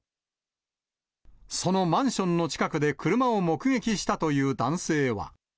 そのマンションの近くで車を目撃したという男性は。